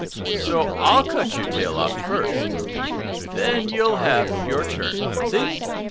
So I'll cut your tail off first. Then you'll have your turn see?"